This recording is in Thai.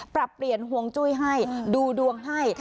ปรับเปลี่ยนห่วงจุ้ยให้ดูดวงให้